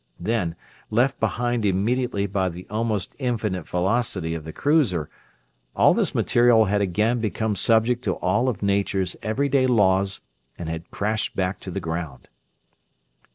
Then, left behind immediately by the almost infinite velocity of the cruiser, all this material had again become subject to all of Nature's everyday laws and had crashed back to the ground.